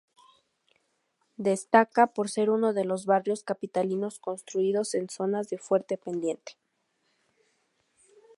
Destaca por ser uno de los barrios capitalinos construidos en zonas de fuerte pendiente.